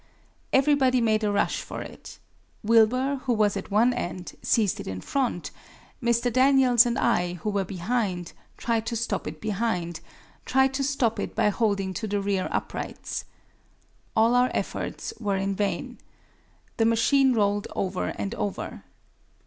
Everybody made a rush for it. Wilbur, who was at one end, seized it in front, Mr. Daniels and I, who were behind, tried to stop it by holding to the rear uprights. All our efforts were vain. The machine rolled over and over.